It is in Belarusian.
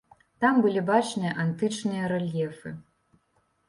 Там былі бачныя антычныя рэльефы.